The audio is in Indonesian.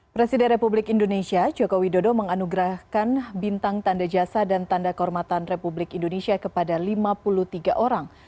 presiden republik indonesia joko widodo menganugerahkan bintang tanda jasa dan tanda kehormatan republik indonesia kepada lima puluh tiga orang